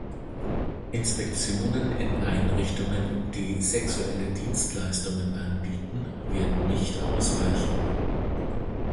Inspektionen in Einrichtungen, die sexuelle Dienstleistungen anbieten, werden nicht ausreichen.